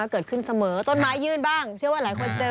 เกิดขึ้นเสมอต้นไม้ยื่นบ้างเชื่อว่าหลายคนเจอ